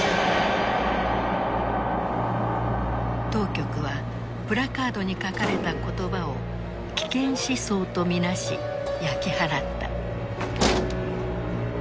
当局はプラカードに書かれた言葉を危険思想と見なし焼き払った。